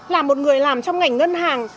là một người làm trong ngành ngân hàng